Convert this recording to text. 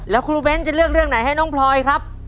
แล้วครูเบ้นจะเลือกเรื่องไหนให้น้องพลอยครับ